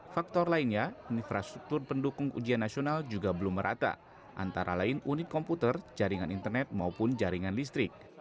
faktor lainnya infrastruktur pendukung ujian nasional juga belum merata antara lain unit komputer jaringan internet maupun jaringan listrik